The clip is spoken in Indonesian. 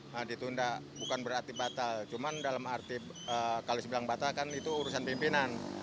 nah ditunda bukan berarti batal cuman dalam arti kalau dibilang batal kan itu urusan pimpinan